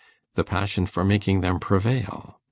the passion for making them _prevail.